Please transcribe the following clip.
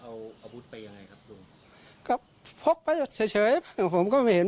เอาอาวุธไปยังไงครับลุงก็พกไปเฉยเฉยผมก็ไม่เห็น